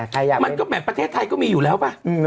ใครอยากจะประเทศไทยก็มีอยู่แล้วป่าว